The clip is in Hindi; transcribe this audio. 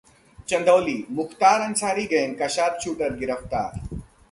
चंदौली: मुख्तार अंसारी गैंग का शार्प शूटर गिरफ्तार